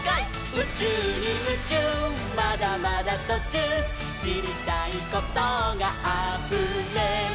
「うちゅうにムチューまだまだとちゅう」「しりたいことがあふれる」